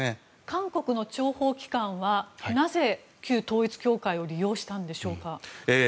韓国の諜報機関はなぜ旧統一教会を利用したんでしょうか。